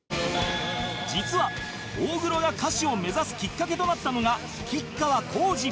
実は大黒が歌手を目指すきっかけとなったのが吉川晃司